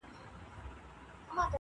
ته یې کاږه زموږ لپاره خدای عادل دی,